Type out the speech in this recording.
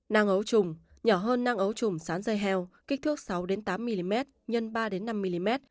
nang ấu trùng nhỏ hơn năng ấu trùm sán dây heo kích thước sáu tám mm x ba năm mm